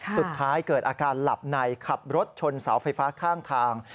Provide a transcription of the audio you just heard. สุดท้ายเกิดอาการหลับนายขับรถชนเสาไฟฟ้าข้างทาง